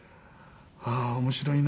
ああー面白いな。